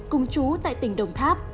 cùng chú tại tỉnh đồng tháp